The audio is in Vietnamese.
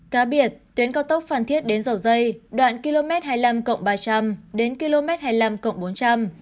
cá biệt tuyến cao tốc phan thiết đến dầu dây đoạn km hai mươi năm ba trăm linh đến km hai mươi năm cộng bốn trăm linh